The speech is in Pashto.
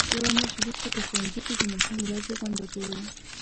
یوه میاشت وروسته په ښوونځي کې د ماشوم ورځې غونډه جوړو.